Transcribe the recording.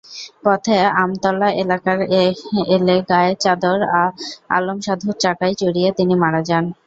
পথে আমতলা এলাকায় এলে গায়ের চাদর আলমসাধুর চাকায় জড়িয়ে তিনি মারা যান।